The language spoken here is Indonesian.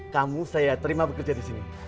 kamu saya terima pekerjaan disini